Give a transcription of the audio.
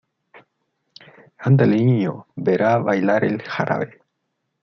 andele, niño, verá bailar el jarabe.